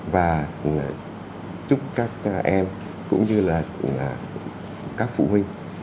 và chúc các em cũng như là các phụ huynh